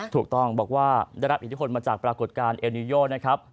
ถูกต้องบอกว่าได้รับอิทธิพลมาจากปรากฏการณ์เอลนิโยนะครับ